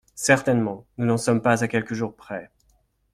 Certainement, nous n’en sommes pas à quelques jours près.